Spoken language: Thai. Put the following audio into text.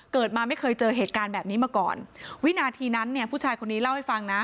เกิดมาไม่เคยเจอเหตุการณ์แบบนี้มาก่อนวินาทีนั้นเนี่ยผู้ชายคนนี้เล่าให้ฟังนะ